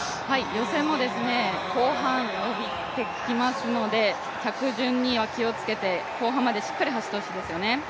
予選も後半伸びてきますので、着順には気をつけて後半までしっかり走ってほしいですよね。